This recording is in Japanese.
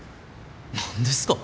何ですか？